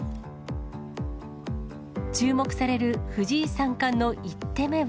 注目される藤井三冠の１手目は。